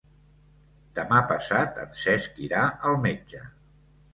Demà passat en Cesc irà al metge.